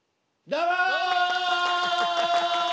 どうも！